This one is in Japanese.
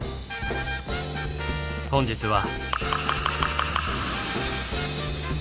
本日は。